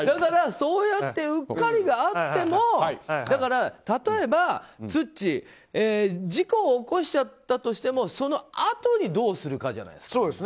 そうやってうっかりがあっても例えば、ツッチー事故を起こしちゃったとしてもそのあとにどうするかじゃないですか。